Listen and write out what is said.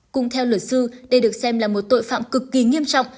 cùng theo luật sư đây được xem là một tội phạm cực kỳ nghiêm trọng